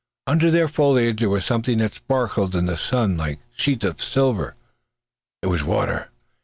Under their foliage there was something that sparkled in the sun like sheets of silver. It was water!